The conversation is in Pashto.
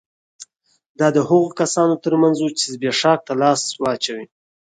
دا د هغو کسانو ترمنځ وو چې زبېښاک ته لاس واچوي